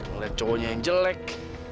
ngeliat cowoknya yang jelek